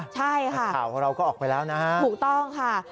ใช่ค่ะข่าวของเราก็ออกไปแล้วนะฮะถูกต้องค่ะ